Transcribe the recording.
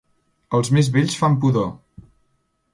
Els més vells fan pudor.